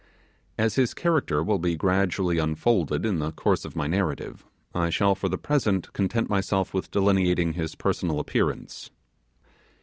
As his character will be gradually unfolded in the course of my narrative, I shall for the present content myself with delineating his personal appearance.